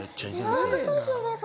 恥ずかしいです